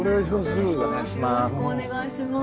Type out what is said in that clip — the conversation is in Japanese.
よろしくお願いします。